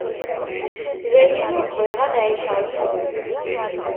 Dayen, ur bɣiɣ ad εiceɣ yid-wen.